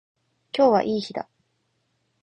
今日はいい日だ。